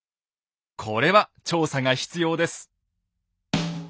これは調査が必要です。